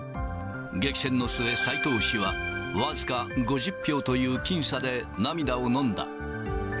激戦の末、斎藤氏は僅か５０票という僅差で涙をのんだ。